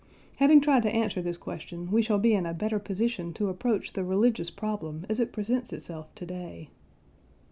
Having tried to answer this question, we shall be in a better position to approach the religious problem as it presents itself to day.